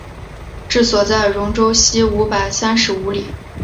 治所在戎州西五百三十五里。